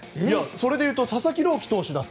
それでいうと佐々木朗希投手も。